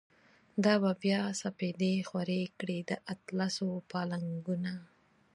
دا به بیا سپیدی خوری کړی، د اطلسو پا لنگونه